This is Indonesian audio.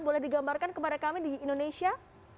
boleh digambarkan kepada kami di indonesia